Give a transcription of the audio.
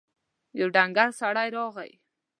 يو ډنګر سړی راغی.